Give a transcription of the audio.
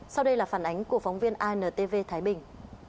sau đây là phản ánh của phóng viên intv thái bình